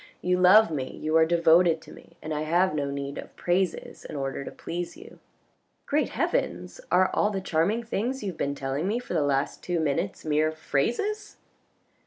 You love me, you are devoted to me, and I have no need of praises in order to please you." " Great heavens ! are all the charming things you have been telling me for the last two minutes mere phrases